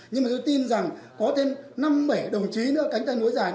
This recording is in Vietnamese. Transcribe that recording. nhưng mà tôi tin rằng có thêm năm bảy đồng chí nữa cánh tay nối dài